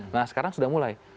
nah sekarang sudah mulai